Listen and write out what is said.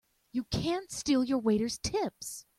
You can't steal your waiters' tips!